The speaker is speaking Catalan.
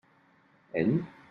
Ell?